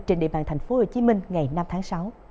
trên địa bàn thành phố hồ chí minh ngày năm tháng sáu